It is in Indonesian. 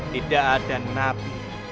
tidak ada nabi